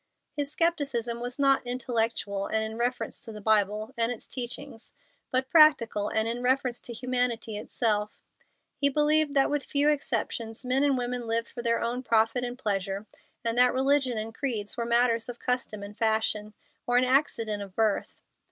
His scepticism was not intellectual and in reference to the Bible and its teachings, but practical and in reference to humanity itself. He believed that with few exceptions men and women lived for their own profit and pleasure, and that religion and creeds were matters of custom and fashion, or an accident of birth.